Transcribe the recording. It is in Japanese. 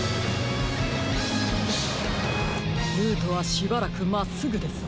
ルートはしばらくまっすぐです。